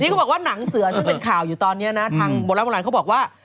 เขาบอกว่าหนังเสือซึ่งเป็นข่าวอยู่ตอนนี้นะทางโบราณเขาบอกว่า